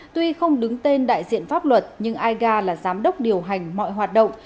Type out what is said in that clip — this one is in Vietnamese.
tuy không đứng tên đại diện pháp luật nhưng aiga là giám đốc điều hành mọi hoạt động